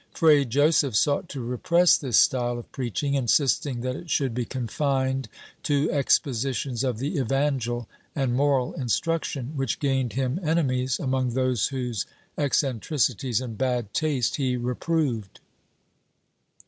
Fray Joseph sought to repress this style of preaching, insisting that it should be confined to expositions of the Evangel and moral instruction, which gained him enemies among those whose eccentricities and bad taste he reproved.